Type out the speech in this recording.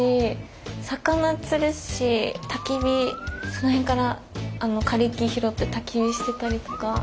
その辺から枯れ木拾ってたき火してたりとか。